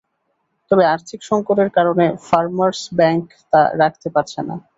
তবে আর্থিক সংকটের কারণে ফারমার্স ব্যাংক তা রাখতে পারছে না।